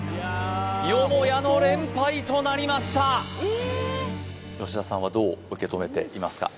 よもやの連敗となりました吉田さんはどう受け止めていますか？